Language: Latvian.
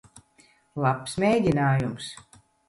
Labs mēģinājums.